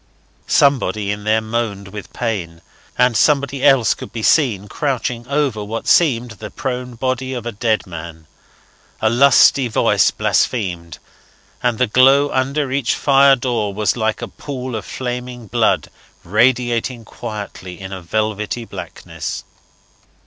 Somebody in there moaned with pain, and somebody else could be seen crouching over what seemed the prone body of a dead man; a lusty voice blasphemed; and the glow under each fire door was like a pool of flaming blood radiating quietly in a velvety blackness.